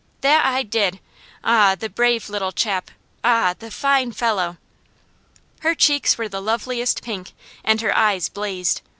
"That I did! Ah! the brave little chap! Ah! the fine fellow!" Her cheeks were the loveliest pink, and her eyes blazed.